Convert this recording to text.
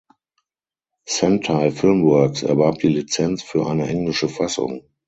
Sentai Filmworks erwarb die Lizenz für eine englische Fassung.